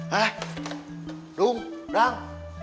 hah dong dang